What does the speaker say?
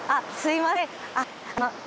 すみません